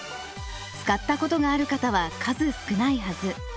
使ったことがある方は数少ないはず。